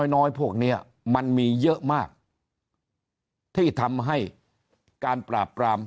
น้อยพวกเนี้ยมันมีเยอะมากที่ทำให้การปราบปราม